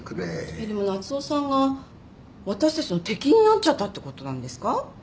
えっでも夏雄さんが私たちの敵になっちゃったってことなんですか？